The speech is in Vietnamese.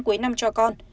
cuối năm cho con